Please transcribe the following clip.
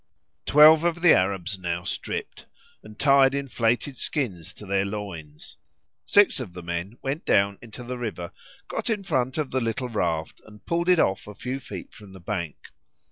Twelve of the Arabs now stripped, and tied inflated skins to their loins; six of the men went down into the river, got in front of the little raft, and pulled it off a few feet from the bank.